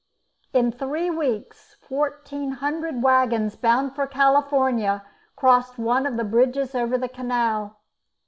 In three weeks fourteen hundred waggons bound for California crossed one of the bridges over the canal.